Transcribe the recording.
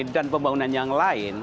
dan pembangunan yang lain